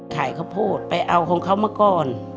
ขายข้าวโพดไปเอาของเขามาก่อน